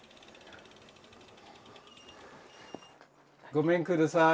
ごめんください。